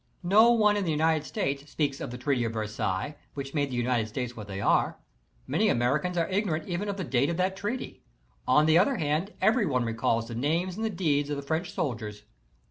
No one in the United ¬´4 States speaks of the Treaty of Versailles, which made the United States what they are. Many Americans are igno rant even of the date of that treaty. On the other hand, every one recalls the names and the deeds of the French soldiers.